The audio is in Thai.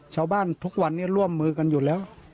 ชาวบ้านทุกวันนี้ร่วมมือกันอยู่แล้ว